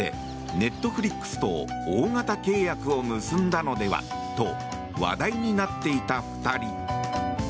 Ｎｅｔｆｌｉｘと大型契約を結んだのではと話題になっていた２人。